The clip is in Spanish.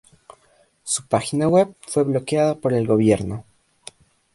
Su página web fue bloqueada por el gobierno.